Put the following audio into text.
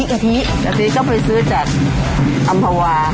กะทิก็ไปซื้อจากอำภาวาค่ะ